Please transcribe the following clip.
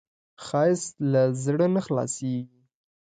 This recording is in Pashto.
ښایست له زړه نه خلاصېږي